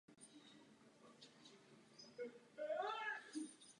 Významnými pojmy diskrétní matematiky jsou celá čísla a grafy.